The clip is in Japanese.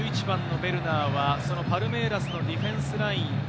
１１番のベルナーはそのパルメイラスのディフェンスライン。